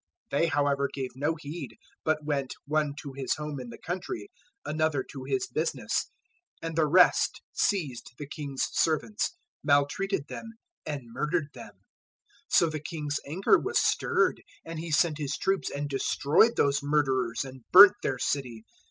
022:005 "They however gave no heed, but went, one to his home in the country, another to his business; 022:006 and the rest seized the king's servants, maltreated them, and murdered them. 022:007 So the king's anger was stirred, and he sent his troops and destroyed those murderers and burnt their city.